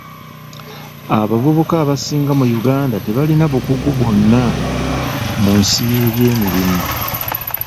Abavubuka abasinga mu Uganda tebalina bukugu bwonna mu nsi y'ebyemirimu.